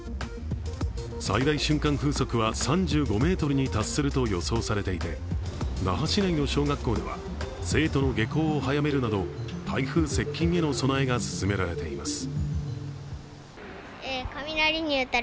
最大瞬間風速は３５メートルに達すると予想されていて、那覇市内の小学校では生徒の下校を早めるなど台風接近への備えが進められています。